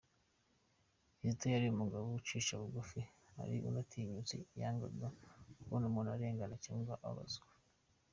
Kizito yari umugabo ucisha bugufi ariko unatinyitse, yangaga kubona umuntu arengana cyangwa ababazwa.